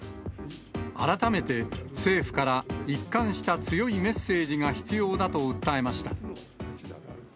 改めて、政府から一貫した強いメッセージが必要だと訴えました。